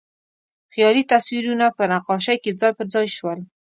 خیالي تصویرونه په نقاشۍ کې ځای پر ځای شول.